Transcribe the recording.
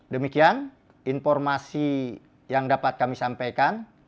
demikian informasi yang dapat kami sampaikan